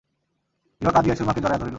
বিভা কাঁদিয়া সুরমাকে জড়াইয়া ধরিল।